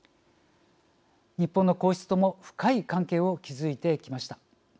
日本の皇室とも深い関係を築いてきました。